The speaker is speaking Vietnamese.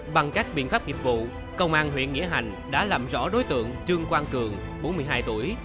bằng các biện pháp nghiệp vụ công an huyện nghĩa hành đã làm rõ đối tượng trương quang cường bốn mươi hai tuổi